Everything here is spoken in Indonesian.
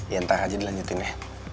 ya entah aja dilanjutin ya